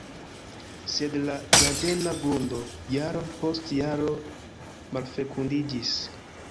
Sed la ĝardena grundo jaron post jaro malfekundiĝis.